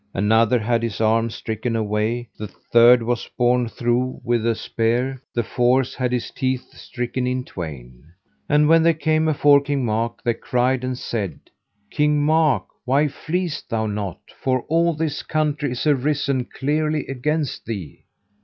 Another had his arm stricken away, the third was borne through with a spear, the fourth had his teeth stricken in twain. And when they came afore King Mark they cried and said: King, why fleest thou not, for all this country is arisen clearly against thee?